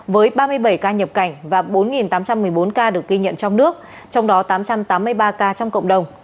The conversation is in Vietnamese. với ba mươi bảy ca nhập cảnh và bốn tám trăm một mươi bốn ca được ghi nhận trong nước trong đó tám trăm tám mươi ba ca trong cộng đồng